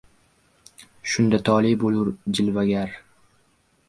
Shunda tole bo‘lur jilvagar